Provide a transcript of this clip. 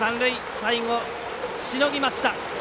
最後しのぎました。